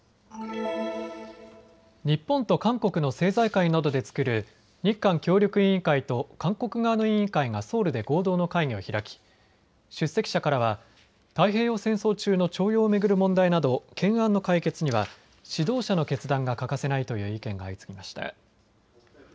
日本と韓国の政財界などで作る日韓協力委員会と韓国側の委員会がソウルで合同の会議を開き出席者からは太平洋戦争中の徴用を巡る問題など懸案の解決には指導者の決断が欠かせないという意見が相次ぎました。